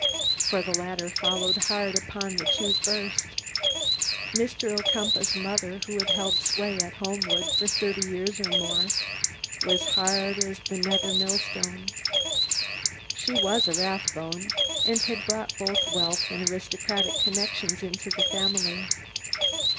For the latter followed hard upon the two first. Mr. Ocumpaugh's mother, who had held sway at Homewood for thirty years or more, was hard as the nether millstone. She was a Rathbone and had brought both wealth and aristocratic connections into the family.